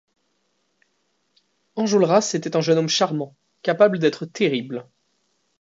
Enjolras était un jeune homme charmant, capable d’être terrible.